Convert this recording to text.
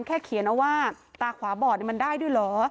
แค่เขียนว่าตาขวาบ่อได้ด้วยเหรอ